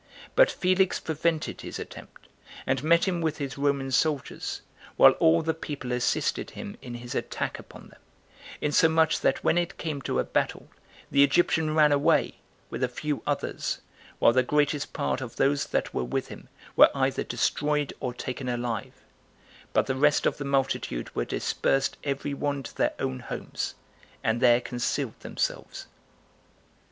But Felix prevented his attempt, and met him with his Roman soldiers, while all the people assisted him in his attack upon them, insomuch that when it came to a battle, the Egyptian ran away, with a few others, while the greatest part of those that were with him were either destroyed or taken alive; but the rest of the multitude were dispersed every one to their own homes, and there concealed themselves.